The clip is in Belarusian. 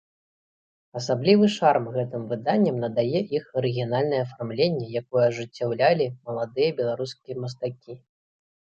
Асаблівы шарм гэтым выданням надае іх арыгінальнае афармленне, якое ажыццяўлялі маладыя беларускія мастакі.